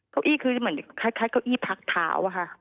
เก้าอี้คือเหมือนคล้ายเก้าอี้พักเท้าค่ะ